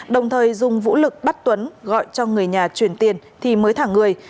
đồng thời dùng vũ lực bắt tuấn gọi cho người nhà chuyển tiền thì mới thả người